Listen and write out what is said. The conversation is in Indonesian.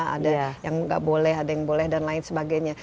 ada yang nggak boleh ada yang boleh dan lain sebagainya